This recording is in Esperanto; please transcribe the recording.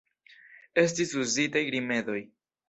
Estis uzitaj rimedoj.